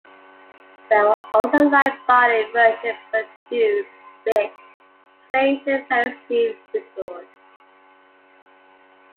There were also light bodied version produced which claimed various speed records.